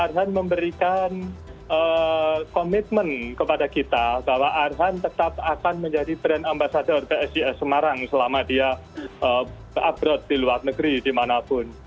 arhan memberikan komitmen kepada kita bahwa arhan tetap akan menjadi brand ambasador psis semarang selama dia upload di luar negeri dimanapun